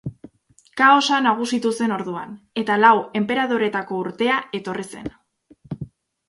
Kaosa nagusitu zen orduan, eta Lau enperadoretako urtea etorri zen.